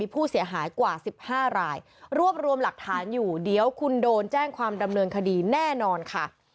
ผู้เสียหายกว่า๑๕รายรวบรวมหลักฐานอยู่เดี๋ยวคุณโดนแจ้งความดำเนินคดีแน่นอนค่ะ